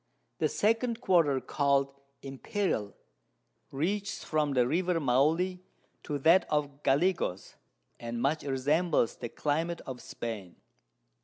The 2_d_ Quarter call'd Imperial, reaches from the River Maule to that of Gallegos, and much resembles the Climate of Spain.